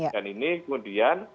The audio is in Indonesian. dan ini kemudian